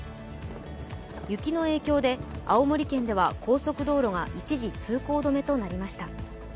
雪の影響で青森県では高速道路が一時通行止めとなりました。